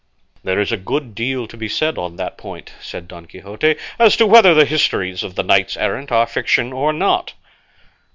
"There is a good deal to be said on that point," said Don Quixote, "as to whether the histories of the knights errant are fiction or not."